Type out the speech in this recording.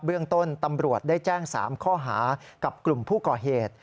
เรื่องต้นตำรวจได้แจ้ง๓ข้อหากับกลุ่มผู้ก่อเหตุ